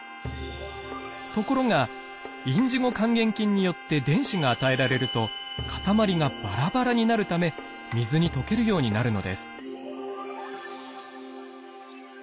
ところがインジゴ還元菌によって電子が与えられるとかたまりがバラバラになるため水に溶けるようになるのです。